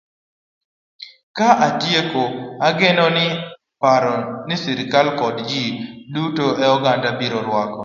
Ka atieko, ageno ni paro ni sirkal koda ji duto e oganda biro rwako.